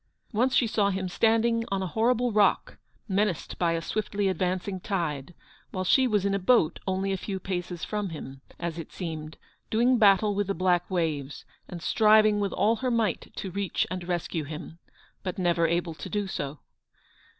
Once she saw him standing on a horrible rock, menaced by a swiftly advancing tide, while she was in a boat only a few paces from him, as it seemed, doing battle with the black waves, and striving with all her might to reach and rescue him, but never able to do so.